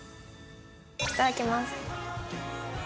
いただきます。